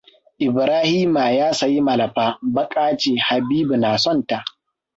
Ibrahima ya sayi malafa. Baka ce. Habibu na son ta.